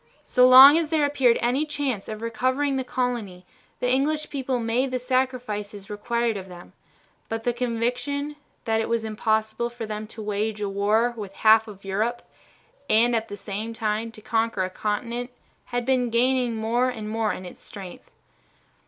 So long as there appeared any chance of recovering the colony the English people made the sacrifices required of them, but the conviction that it was impossible for them to wage a war with half of Europe and at the same time to conquer a continent had been gaining more and more in strength.